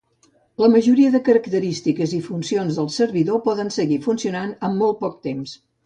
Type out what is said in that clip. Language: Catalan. La majoria de característiques i funcions del servidor poden seguir funcionant amb molt poc temps.